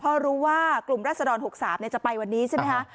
พอรู้ว่ากลุ่มรัฐสดร๖๓เนี่ยจะไปวันนี้ใช่ไหมฮะอ่า